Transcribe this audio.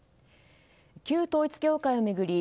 旧統一教会を巡り